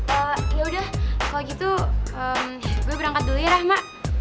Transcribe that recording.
ehh yaudah kalo gitu gue berangkat dulu ya rahma